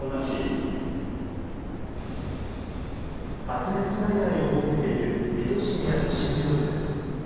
発熱外来を設けている水戸市にある診療所です。